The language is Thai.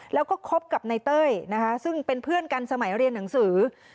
แล้วก็คบกับนายเต้ยนะคะซึ่งเป็นเพื่อนกันสมัยเรียนหนังสือ